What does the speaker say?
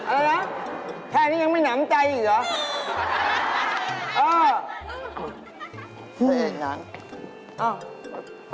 อะไรนะแค่นี้ยังไม่หนำใจอีกเหรอ